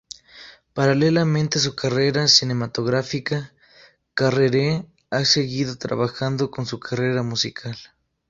Paralelamente a su carrera cinematográfica, Carrere ha seguido trabajando en su carrera musical.